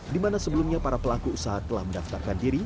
di mana sebelumnya para pelaku usaha telah mendaftarkan diri